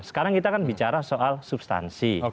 sekarang kita kan bicara soal substansi